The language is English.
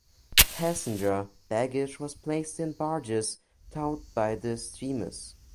Passenger baggage was placed in barges towed by the steamers.